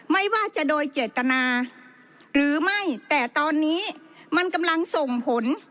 ไม่ว่าจะโดยเจตนาหรือไม่แต่ตอนนี้มันกำลังส่งผล